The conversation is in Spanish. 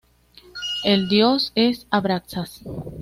El Dios es Abraxas.